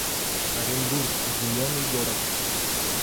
Оренбург — зелёный город